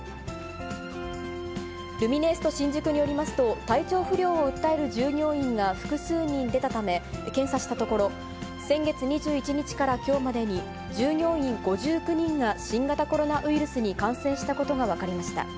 ルミネエスト新宿によりますと、体調不良を訴える従業員が複数人出たため検査したところ、先月２１日からきょうまでに従業員５９人が新型コロナウイルスに感染したことが分かりました。